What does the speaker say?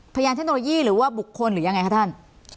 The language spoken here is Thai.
เทคโนโลยีหรือว่าบุคคลหรือยังไงคะท่าน